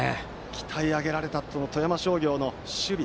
鍛え上げられた富山商業の守備。